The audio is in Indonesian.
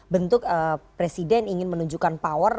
bentuk presiden ingin menunjukkan power